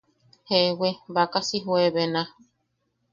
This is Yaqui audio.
Jewi, baaka si juebena.